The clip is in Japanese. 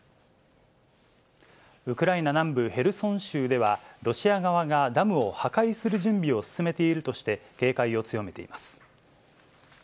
ウクライナ南部ヘルソン州では、ロシア側がダムを破壊する準備を進めているとして、警戒を強めています。